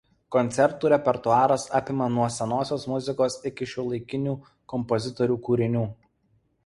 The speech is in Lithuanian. Koncertų repertuaras apima nuo senosios muzikos iki šiuolaikinių kompozitorių kūrinių.